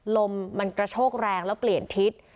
ลมมันกระโชกแรงแล้วเปลี่ยนทิศ